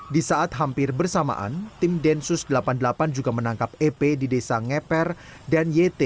di saat hampir bersamaan tim densus delapan puluh delapan juga menangkap ep di desa ngeper dan yt